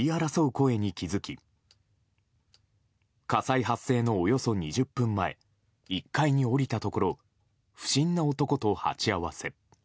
声に気づき火災発生のおよそ２０分前１階に降りたところ不審な男と鉢合わせ。